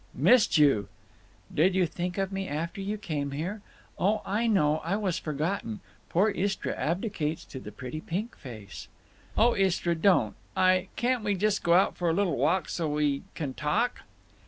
"Missed you—" "Did you think of me after you came here? Oh, I know—I was forgotten; poor Istra abdicates to the pretty pink face." "Oh, Istra, don't. I—can't we just go out for a little walk so—so we can talk?"